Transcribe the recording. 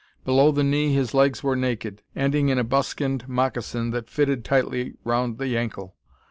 Below the knee his legs were naked, ending in a buskined moccasin, that fitted tightly round the ankle.